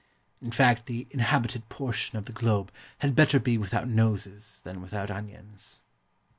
In fact, the inhabited portion of the globe had better be without noses than without onions.